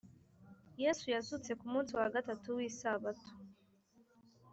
yesu yazutse ku munsi wa gatatu w’isabato